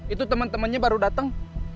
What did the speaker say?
itu temen temennya baru dateng